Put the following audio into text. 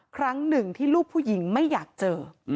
ครั้งหนึ่งที่ลูกผู้หญิงไม่อยากเจอ